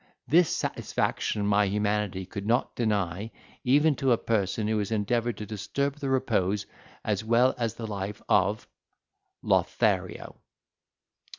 This satisfaction my humanity could not deny, even to a person who has endeavoured to disturb the repose as well as the life of "Lothario."